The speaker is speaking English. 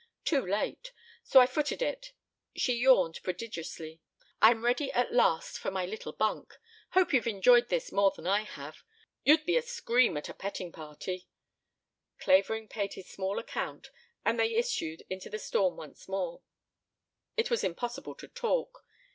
Too late. So I footed it." She yawned prodigiously. "I'm ready at last for my little bunk. Hope you've enjoyed this more than I have. You'd be a scream at a petting party." Clavering paid his small account and they issued into the storm once more. It was impossible to talk.